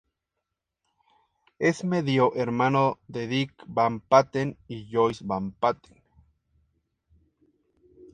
Es medio hermano de Dick Van Patten y Joyce Van Patten.